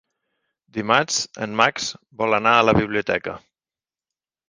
Dimarts en Max vol anar a la biblioteca.